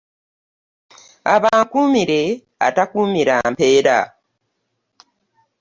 Abankuumire atakuumira mpeera.